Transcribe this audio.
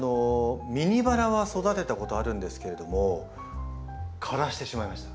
ミニバラは育てたことあるんですけれども枯らしてしまいました。